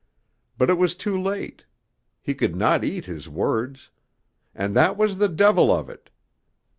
But it was too late. He could not eat his words. And that was the devil of it.